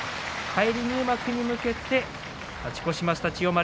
返り入幕に向けて勝ち越しました千代丸。